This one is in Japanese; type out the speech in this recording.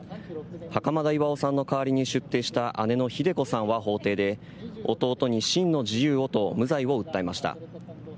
袴田巌さんの代わりに出廷した姉のひで子さんは法廷で、弟に真の自由をと無罪を訴えました。